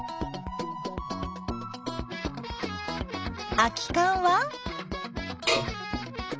空きかんは？